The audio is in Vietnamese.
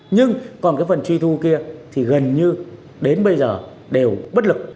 nhưng còn cái phần truy thu kia thì gần như đến bây giờ đều bất lực